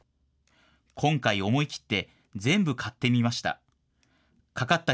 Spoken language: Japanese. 今回、思い切って全部買ってみました。